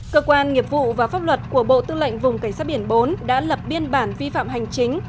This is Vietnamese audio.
cơ quan nghiệp vụ và pháp luật của bộ tư lệnh vùng cảnh sát biển bốn đã lập biên bản vi phạm hành chính